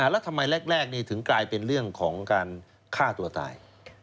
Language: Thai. แล้วทำไมแรกถึงกลายเป็นเรื่องของการฆ่าตัวตาย